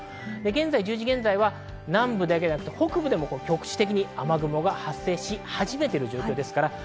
１０時現在は南部だけではなく北部でも局地的な雨雲が発生し始めています。